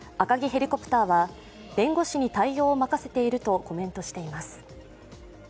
ヘリコプターは弁護士に対応を任せているとコメントしています。